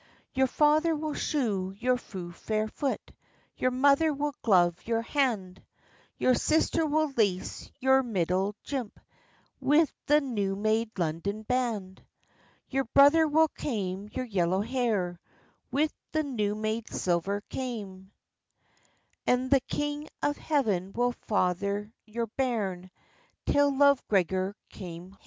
"Your father will shoe your fu' fair foot, Your mother will glove your hand; Your sister will lace your middle jimp Wi' the new made London band. "Your brother will kaim your yellow hair, Wi' the new made silver kaim; And the king of heaven will father your bairn, Till Love Gregor come haim."